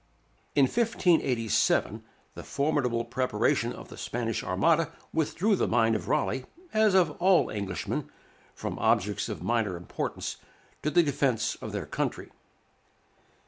In 1587, the formidable preparation of the Spanish Armada withdrew the mind of Raleigh, as of all Englishmen, from objects of minor importance, to the defence of their country.